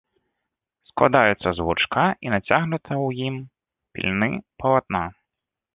Складаецца з лучка і нацягнутага у ім пільны палатна.